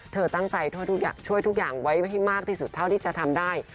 เธอตั้งใจช่วยทุกอย่างไว้ให้มากที่สุดเท่าที่จะทำได้